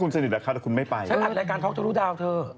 ฉันอัดรายการท็อกเจ้าดูดาวค์เถอะ